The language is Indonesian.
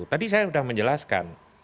tadi saya sudah menjelaskan